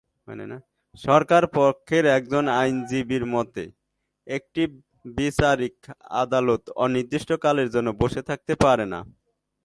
সরকারপক্ষের একজন আইনজীবীর মতে, একটি বিচারিক আদালত অনির্দিষ্টকালের জন্য বসে থাকতে পারেন না।